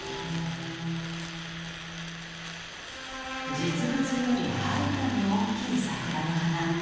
実物よりはるかに大きい桜の花。